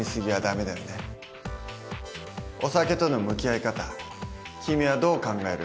お酒との向き合い方君はどう考える？